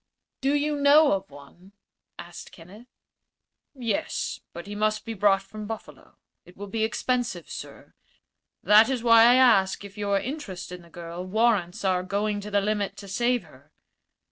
"Do you know of one?" asked Kenneth. "Yes; but he must be brought from Buffalo. It will be expensive, sir. That is why I ask if your interest in the girl warrants our going to the limit to save her."